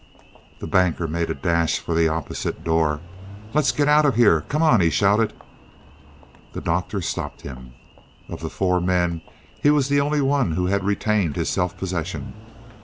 The Banker made a dash for the opposite door. "Let's get out of here. Come on!" he shouted. The Doctor stopped him. Of the four men, he was the only one who had retained his self possession.